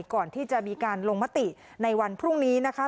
ก่อนที่จะมีการลงมติในวันพรุ่งนี้นะคะ